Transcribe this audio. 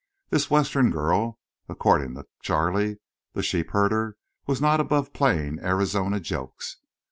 This Western girl, according to Charley, the sheep herder, was not above playing Arizona jokes.